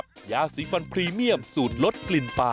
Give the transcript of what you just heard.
ไปค่ะ